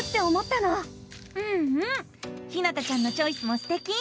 うんうんひなたちゃんのチョイスもすてき！